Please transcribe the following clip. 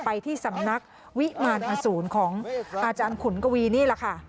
ไปที่สำนักวิมารอสูรของอาจารย์ขุนกวีนี่แหละค่ะ